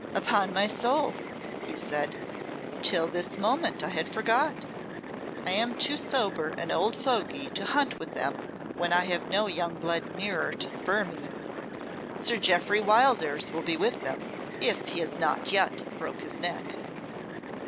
"Upon my soul!" he said, "till this moment I had forgot. I am too sober an old fogy to hunt with them when I have no young blood near to spur me. Sir Jeoffry Wildairs will be with them if he has not yet broke his neck."